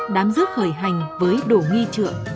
đám rước khởi hành với đổ nghi trượng